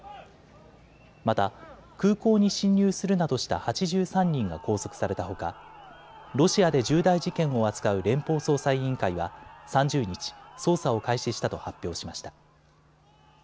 また空港に侵入するなどした８３人が拘束されたほかロシアで重大事件を扱う連邦捜査委員会は３０日、捜査を開始したと発表しました。